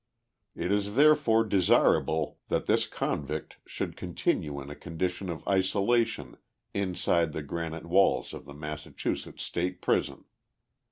Jt is, therefore, desirable that this convict should continue in a condition of isolation inside the granite walls of the Massachusetts State Prison.